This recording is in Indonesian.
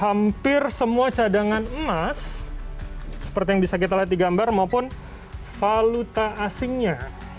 hampir semua cadangan emas seperti yang bisa kita lihat di gambar maupun valuta asingnya